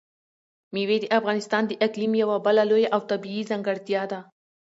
مېوې د افغانستان د اقلیم یوه بله لویه او طبیعي ځانګړتیا ده.